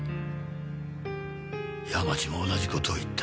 山路も同じ事を言った。